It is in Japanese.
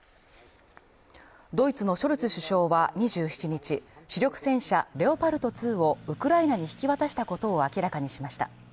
ドイツのショルツ首相は２７日、主力戦車レオパルト２をウクライナに引き渡したことを明らかにしました。